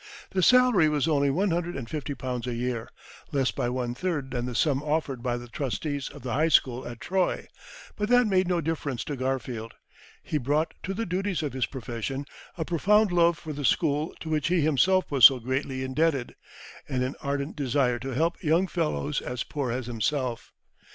The salary was only one hundred and fifty pounds a year, less by one third than the sum offered him by the trustees of the high school at Troy, but that made no difference to Garfield. He brought to the duties of his profession a profound love for the school to which he himself was so greatly indebted, and an ardent desire to help young fellows as poor as himself.